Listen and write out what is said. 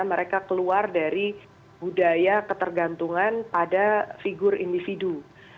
mereka keluar dari budaya ketergantungan pada figur individu